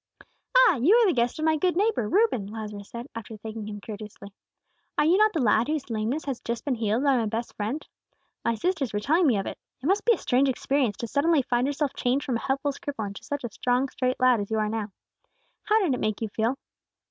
"Ah, you are the guest of my good neighbor, Reuben," Lazarus said, after thanking him courteously. "Are you not the lad whose lameness has just been healed by my best friend? My sisters were telling me of it. It must be a strange experience to suddenly find yourself changed from a helpless cripple to such a strong, straight lad as you are now. How did it make you feel?"